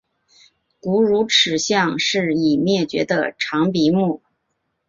古乳齿象是已灭绝的长鼻目。